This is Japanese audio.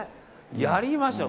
やりましょう。